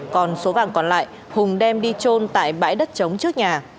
còn số vàng còn lại hùng đem đi trôn tại bãi đất chống trước nhà